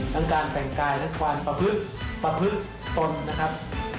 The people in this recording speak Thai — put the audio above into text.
ทั้งการแต่งกายทั้งการประพฤตประพฤตตนนะครับ